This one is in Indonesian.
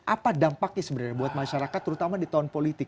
apa dampaknya sebenarnya buat masyarakat terutama di tahun politik